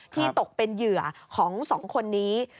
ที่ตกเป็นเหยื่อของสองคนนี้